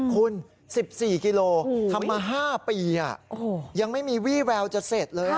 คุณ๑๔กิโลทำมา๕ปียังไม่มีวี่แววจะเสร็จเลย